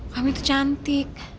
kamu itu cantik